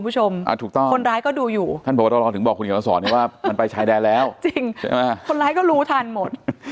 จริงคนร้ายก็รู้ทันหมด